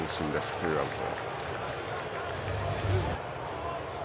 ツーアウト。